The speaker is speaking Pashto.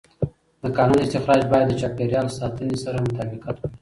د کانونو استخراج باید د چاپېر یال ساتنې سره مطابقت ولري.